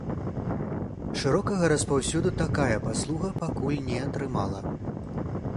Шырокага распаўсюду такая паслуга пакуль не атрымала.